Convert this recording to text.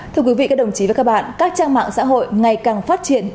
thưa quý vị các đồng chí và các bạn các trang mạng xã hội ngày càng phát triển